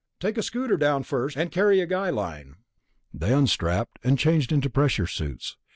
Take a scooter down first, and carry a guy line." They unstrapped, and changed into pressure suits.